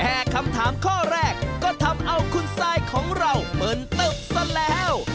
คำถามข้อแรกก็ทำเอาคุณซายของเรามึนตึบซะแล้ว